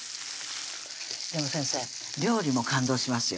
でも先生料理も感動しますよ